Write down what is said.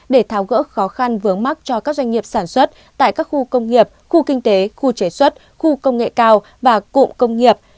để tháo gỡ khó khăn vướng mắt cho các doanh nghiệp sản xuất tại các khu công nghiệp khu kinh tế khu chế xuất khu công nghệ cao và cụm công nghiệp